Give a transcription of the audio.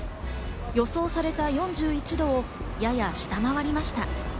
予想された４１度をやや下回りました。